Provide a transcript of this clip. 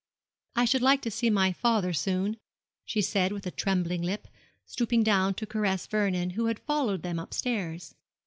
'I should like to see my father soon,' she said, with a trembling lip, stooping down to caress Vernon, who had followed them upstairs.